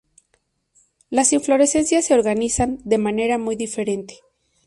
Las inflorescencias se organizan de manera muy diferente.